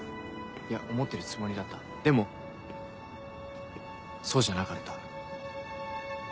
いや思ってるつもりだったでもそうじゃなかった。